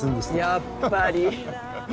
やっぱり。